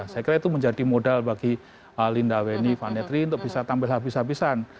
saya kira itu menjadi modal bagi linda weni vanetri untuk bisa tampil habis habisan